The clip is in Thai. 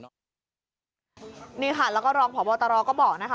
แล้วก็รองพบตก็บอก